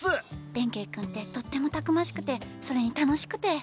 弁慶君ってとってもたくましくてそれに楽しくて。